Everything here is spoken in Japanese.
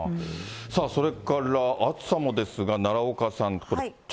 それから暑さもですが、奈良岡さん、